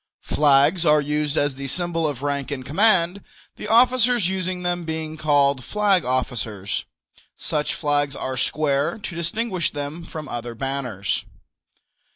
Flags are used as the symbol of rank and command, the officers using them being called flag officers. Such flags are square, to distinguish them from other banners.